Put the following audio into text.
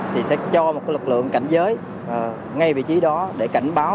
thì sẽ cho một lực lượng cảnh giới ngay vị trí đó để cảnh báo